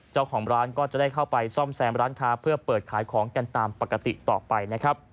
เจ้าของร้านเข้าไปซ่อมแสงร้านค้าเพื่อเปิดขายของกันตามปกติต่อไป